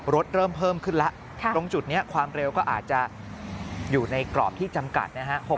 เริ่มเพิ่มขึ้นแล้วตรงจุดนี้ความเร็วก็อาจจะอยู่ในกรอบที่จำกัดนะฮะ